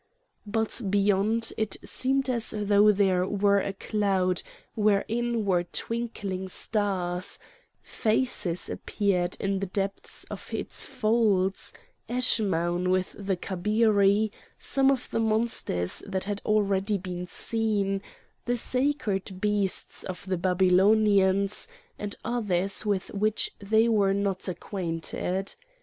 But beyond it seemed as though there were a cloud wherein were twinkling stars; faces appeared in the depths of its folds—Eschmoun with the Kabiri, some of the monsters that had already been seen, the sacred beasts of the Babylonians, and others with which they were not acquainted.